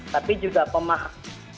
tapi juga pemaham